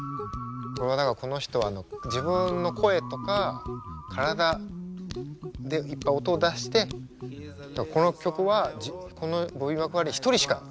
これはだからこの人は自分の声とか体でいっぱい音を出してこの曲はこのボビー・マクファーリン１人しかいない。